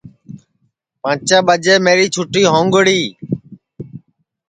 پانٚچیں ٻجے میری چھُتی ہوؤنگڑی